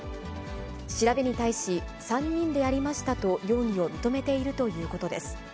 調べに対し、３人でやりましたと、容疑を認めているということです。